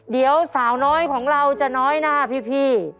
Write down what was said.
เดี๋ยวสาวน้อยของเราจะน้อยหน้าพี่